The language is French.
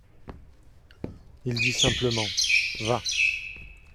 Il dit simplement : Va.